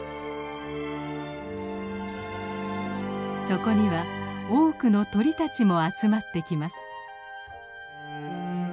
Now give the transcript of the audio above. そこには多くの鳥たちも集まってきます。